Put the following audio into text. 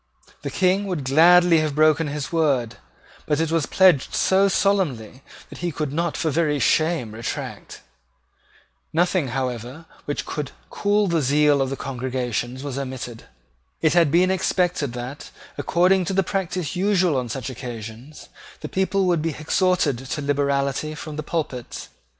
The King would gladly have broken his word; but it was pledged so solemnly that he could not for very shame retract. Nothing, however, which could cool the zeal of congregations was omitted. It had been expected that, according to the practice usual on such occasions, the people would be exhorted to liberality from the pulpits.